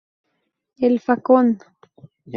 El facón.